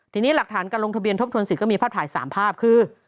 ทีนี้หลักฐานการลงทะเบียนทบทวนสิทธิมีภาพถ่าย๓ภาพคือ